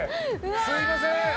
すみません。